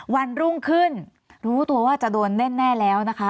วันรุ่งขึ้นรู้ตัวว่าจะโดนแน่แล้วนะคะ